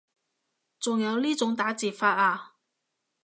仲有呢種打字法啊